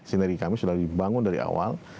sinergi kami sudah dibangun dari awal